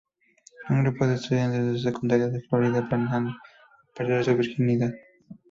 Un grupo de estudiantes de secundaria de Florida planean perder su virginidad.